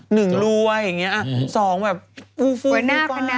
หนึ่งรวยอย่างเงี้ยสองแบบฟูฟูฟี่กว้าง